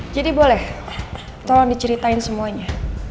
boleh tolong diceritain semuanya